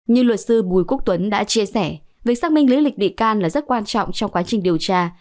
như luật sư bùi quốc tuấn đã chia sẻ việc xác minh lý lịch bị can là rất quan trọng trong quá trình điều tra